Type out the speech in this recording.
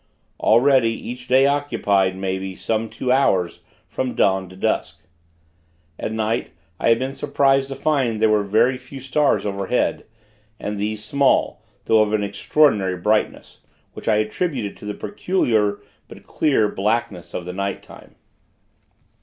Already, each day occupied, maybe, some two hours from dawn to dusk. At night, I had been surprised to find that there were very few stars overhead, and these small, though of an extraordinary brightness; which I attributed to the peculiar, but clear, blackness of the nighttime.